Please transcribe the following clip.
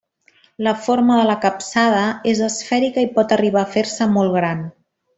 La forma de la capçada és esfèrica i pot arribar a fer-se molt gran.